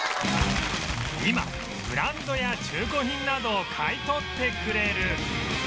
今ブランドや中古品などを買い取ってくれる